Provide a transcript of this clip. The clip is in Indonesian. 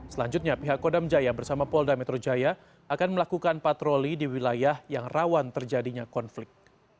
selanjutnya pihak kodam jaya bersama polda metro jaya akan melakukan patroli di wilayah yang rawan terjadinya konflik